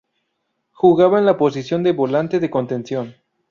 Jugaba en la posición de volante de contención.